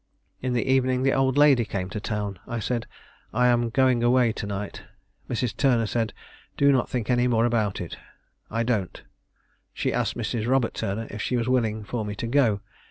In the evening the old lady came to town; I said, 'I am going away to night;' Mrs. Turner said, 'Do not think any more about it; I don't.' She asked Mrs. Robert Turner if she was willing for me to go.